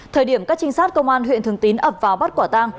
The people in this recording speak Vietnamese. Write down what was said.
thời điểm các trinh sát công an huyện thường tín ập vào bắt quả tang